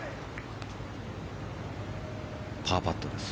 パーパットです。